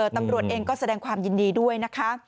ตำรวจเองก็แสดงความยินดีด้วยนะคะ